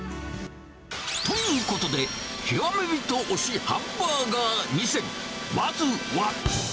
ということで、極め人推しハンバーガー２選、まずは。